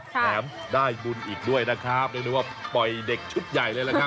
แถมได้บุญอีกด้วยนะครับเรียกได้ว่าปล่อยเด็กชุดใหญ่เลยล่ะครับ